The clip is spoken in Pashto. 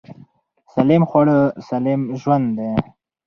سالم خواړه سالم ژوند دی.